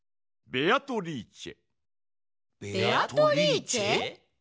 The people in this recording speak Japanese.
ベアトリーチェ？